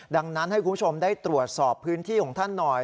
ดังนั้นให้คุณผู้ชมได้ตรวจสอบพื้นที่ของท่านหน่อย